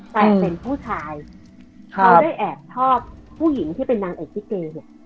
แฟนเป็นผู้ชายเขาได้แอบชอบผู้หญิงที่เป็นนางเอกลิเกเนี่ย